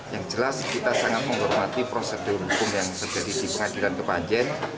yang jelas kita sangat menghormati prosedur hukum yang terjadi di pengadilan kepanjen